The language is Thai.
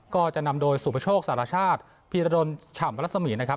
ก็จะนำโดยสุพโชคศาลชาติพิรดรช่ำลักษมินะครับ